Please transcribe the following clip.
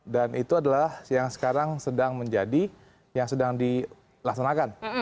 itu adalah yang sekarang sedang menjadi yang sedang dilaksanakan